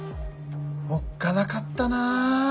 おっかなかったな